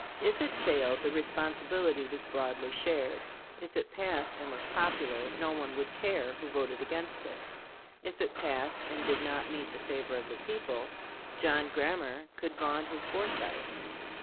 If it failed, the responsibility was broadly shared; if it passed and was popular, no one would care who voted against it; if it passed and did not meet the favor of the people, John Grammar could vaunt his foresight.